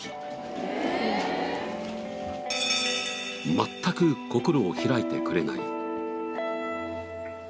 全く心を開いてくれない。